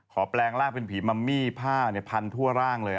ขอแปลงร่างเป็นผีมัมมี่ผ้าเนี่ยพันธุร่างเลย